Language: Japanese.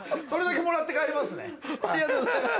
それだけもらって帰りますね。